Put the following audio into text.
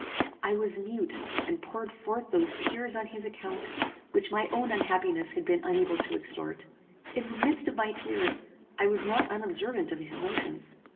I was mute, and poured forth those tears on his account, which my own unhappiness had been unable to extort. In the midst of my tears, I was not unobservant of his motions.